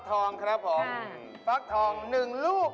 อเจมส์อันนั้นฟัก